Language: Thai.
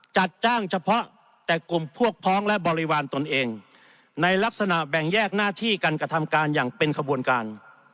จัดจ้างเฉพาะแต่กลุ่มพวกพ้องและบริวารตนเองในลักษณะแบ่งแยกหน้าที่การกระทำการอย่างเป็นขบวนการ